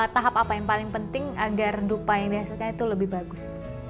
tahap apa yang paling penting agar dupa yang dihasilkan itu lebih bagus